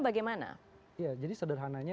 bagaimana jadi sederhananya